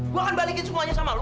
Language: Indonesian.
gue akan balikin semuanya sama lo